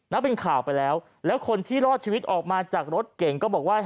เป็นข่าวไปแล้วแล้วคนที่รอดชีวิตออกมาจากรถเก่งก็บอกว่า